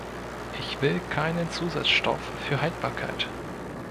Ich will keinen Zusatzstoff für Haltbarkeit.